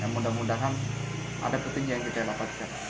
mudah mudahan ada petinggi yang kita dapatkan